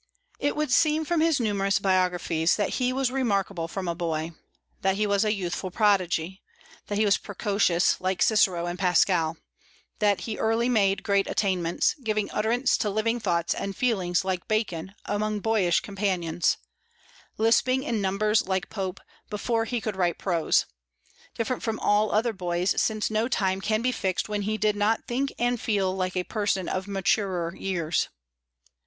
It would seem from his numerous biographies that he was remarkable from a boy; that he was a youthful prodigy; that he was precocious, like Cicero and Pascal; that he early made great attainments, giving utterance to living thoughts and feelings, like Bacon, among boyish companions; lisping in numbers, like Pope, before he could write prose; different from all other boys, since no time can be fixed when he did not think and feel like a person of maturer years.